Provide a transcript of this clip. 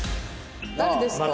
誰ですか？